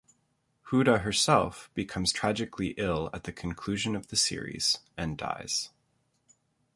Huda herself becomes tragically ill at the conclusion the series and dies.